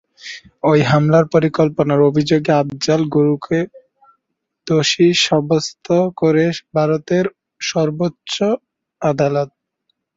ওই হামলার পরিকল্পনার অভিযোগে আফজাল গুরুকে দোষী সাব্যস্ত করে ভারতের সর্বোচ্চ আদালত।